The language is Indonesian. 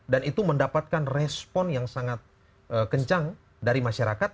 dan itu mendapatkan respon yang sangat kencang dari masyarakat